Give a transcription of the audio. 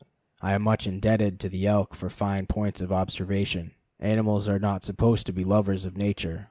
I am much indebted to the elk for fine points of observation. Animals are not supposed to be lovers of nature.